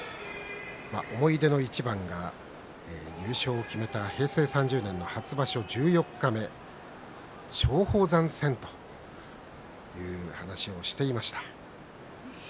思い出の一番が優勝を決めた平成３０年の初場所十四日目松鳳山戦という話をしていました。